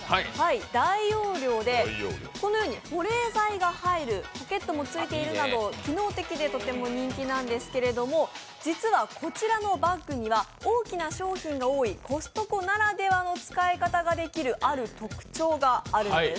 大容量で、このように保冷剤が入るポケットもついているなど機能的でとても人気なんですけれども、実は、こちらのバッグには大きな商品が多いコストコならではの使い方ができる、ある特徴があるんです。